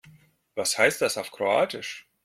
Was heißt das auf Kroatisch?